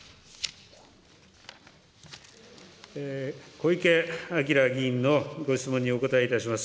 小池晃議員のご質問にお答えします。